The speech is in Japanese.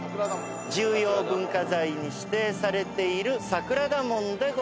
重要文化財に指定されている桜田門でございます。